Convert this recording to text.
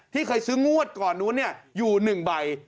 เคยซื้องวดก่อนนู้นอยู่๑ใบ